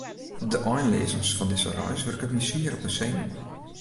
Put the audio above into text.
De einleazens fan dizze reis wurket my swier op 'e senuwen.